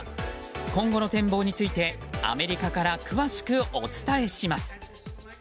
今後の展望についてアメリカから詳しくお伝えします。